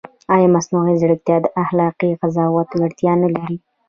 ایا مصنوعي ځیرکتیا د اخلاقي قضاوت وړتیا نه لري؟